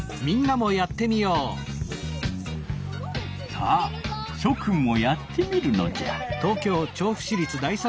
さあしょくんもやってみるのじゃ！